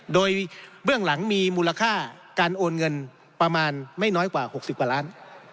โดยเบื้องหลังมีมูลค่าการโอนเงินประมาณไม่น้อยกว่า๖๐กว่าล้าน